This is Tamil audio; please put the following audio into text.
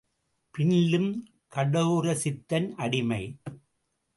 பின்லும், கடோரசித்தன் அடிமை!